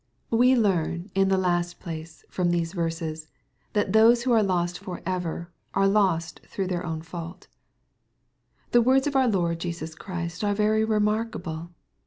We learn, in the last place^ from these veises^feAo^ thosh who are lost for ever^ are lost through their ovmfauUA The words of our Lord Jesus Christ are very remarK able.